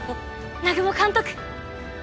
南雲監督